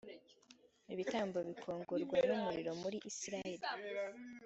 ibitambo bikongorwa n umuriro muri isirayeli